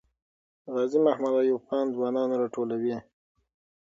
غازي محمد ایوب خان ځوانان راټولوي.